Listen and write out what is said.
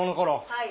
はい。